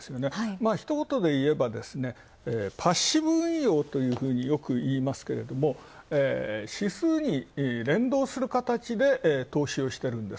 ひとことでいえば、パッシブ運用というふうによくいいますが指数に連動する形で投資をしているんです。